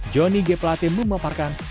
joni g pelati memaparkan